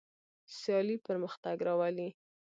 سیالي پرمختګ راولي.